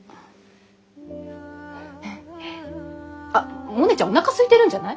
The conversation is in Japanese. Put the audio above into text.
あっモネちゃんおなかすいてるんじゃない？